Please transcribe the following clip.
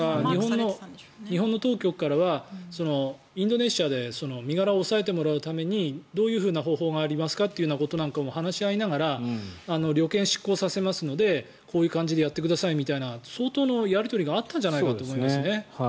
日本の当局からはインドネシアで身柄を押さえてもらうためにどういうふうな方法がありますかということなんかを話し合いながら旅券を失効させますのでこういう感じでやってくださいみたいな相当のやり取りがあったんじゃないかと思いますね。